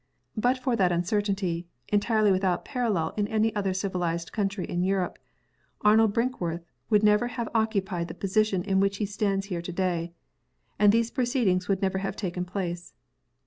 But for that uncertainty (entirely without parallel in any other civilized country in Europe), Arnold Brinkworth would never have occupied the position in which he stands here to day and these proceedings would never have taken place.